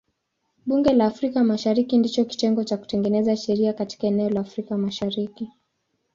Bunge la Afrika Mashariki ndicho kitengo cha kutengeneza sheria katika eneo la Afrika Mashariki.